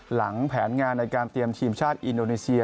หลังแผนงานในการเตรียมทีมชาติอินโดนีเซีย